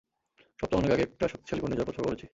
সপ্তাহখানেক আগে, একটা শক্তিশালী ঘূর্নিঝড় প্রত্যক্ষ করেছি।